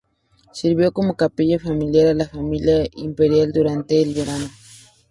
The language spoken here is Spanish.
Sirvió como capilla familiar a la familia imperial durante el verano.